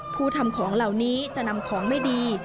ผู้ทำของเหล่านี้จะนำของไม่ดี